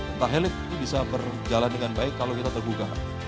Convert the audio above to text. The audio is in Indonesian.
entah heli bisa berjalan dengan baik kalau kita terbuka